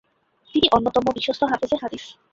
তিনি অন্যতম বিশ্বস্ত হাফেজে হাদিস ।